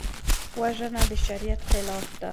وژنه د شریعت خلاف ده